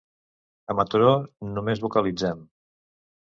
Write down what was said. A Mataró només vocalitzem.